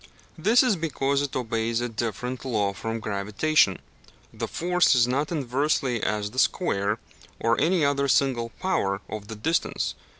This is because it obeys a different law from gravitation the force is not inversely as the square, or any other single power, of the distance.